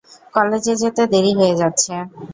কলেজে যেতে দেরি হয়ে যাচ্ছে।